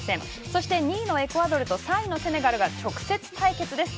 そして２位のエクアドルと３位のセネガルが直接対決です。